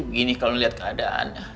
begini kalau liat keadaannya